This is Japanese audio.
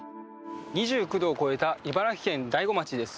２９度を超えた茨城県大子町です。